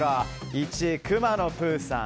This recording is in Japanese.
１、「くまのプーさん」